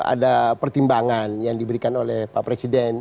ada pertimbangan yang diberikan oleh pak presiden